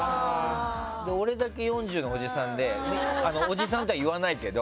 俺だけ４０のおじさんでおじさんとは言わないけど。